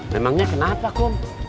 memangnya kenapa kum